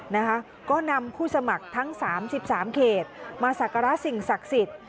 นะคะก็นำผู้สมัครทั้งสามสิบสามเขตมาสักการะสิ่งศักดิ์สิทธิ์